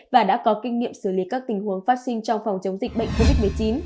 và đã có kinh nghiệm xử lý các tình huống phát sinh trong phòng chống dịch bệnh covid một mươi chín